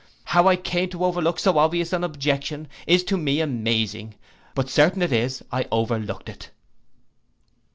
How I came to overlook so obvious an objection, is to me amazing; but certain it is I overlooked it.